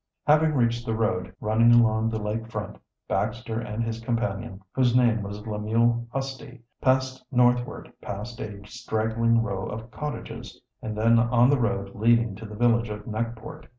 Having reached the road running along the lake front, Baxter and his companion, whose name was Lemuel Husty, passed northward past a straggling row of cottages and then on the road leading to the village of Neckport.